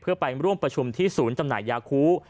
เพื่อไปร่วมประชุมที่ศูนย์จำหน่ายยาคู